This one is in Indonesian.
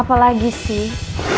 apa lagi sih